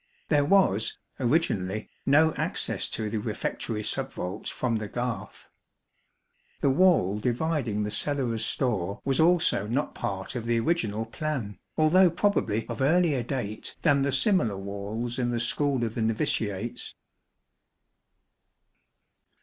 There was, originally, no access to the refectory sub vaults from the garth. The wall dividing the Cellarer's store was also not part of the original plan, although probably of earlier date than the similar walls in the school of the novitiates.